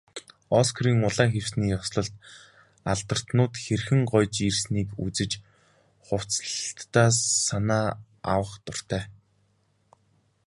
Оскарын улаан хивсний ёслолд алдартнууд хэрхэн гоёж ирснийг үзэж, хувцаслалтдаа санаа авах дуртай.